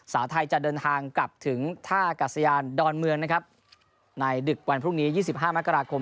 สาวไทยจะเดินทางกลับถึงท่ากัศยานดอนเมืองนะครับในดึกวันพรุ่งนี้๒๕มกราคม